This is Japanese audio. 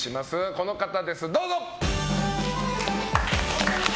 この方です、どうぞ！